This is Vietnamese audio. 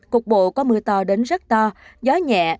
cục bộ có mưa to đến rất to gió nhẹ